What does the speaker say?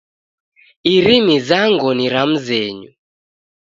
Iri mizango ni ra mzenyu